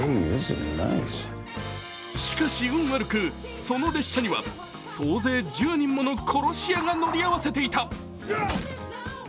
しかし、運悪くその列車には総勢１０人もの殺し屋が乗り合わせていた。